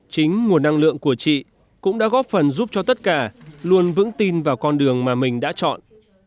chính nguồn năng lượng của chị cũng đã góp phần giúp cho tất cả luôn vững tin vào con đường mà mình đã chọn